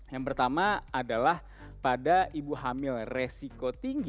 yang pertama adalah pada ibu hamil resiko tinggi